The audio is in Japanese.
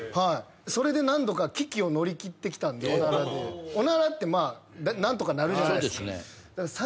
それで何度か危機を乗り切ってきたんでおならってまあ何とかなるじゃないですか。